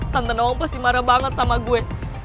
tante om pasti marah banget sama gue